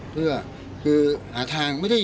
เพื่อหาทางอีก